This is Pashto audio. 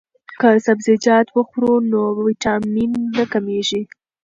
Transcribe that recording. که سبزیجات وخورو نو ویټامین نه کمیږي.